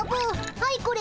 はいこれ。